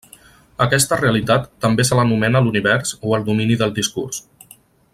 A aquesta realitat també se l'anomena l'univers o el domini del discurs.